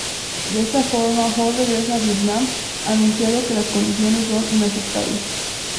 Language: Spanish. De esta forma Ho regresa a Vietnam anunciando que las condiciones son inaceptables.